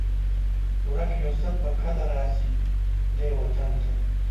ورک یوسف به کله؟ راشي دې وطن ته